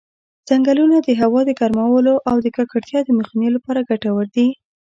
ځنګلونه د هوا د ګرمولو او د ککړتیا د مخنیوي لپاره ګټور دي.